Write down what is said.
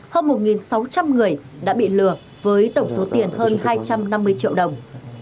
hơn một sáu trăm linh người đã bị lừa với tổng số tiền hơn hai trăm năm mươi triệu đồng